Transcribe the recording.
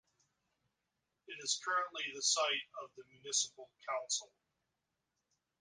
It is currently the site of the municipal council.